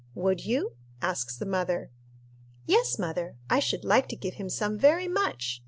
"Would you?" asks the mother. "Yes, mother, I should like to give him some very much.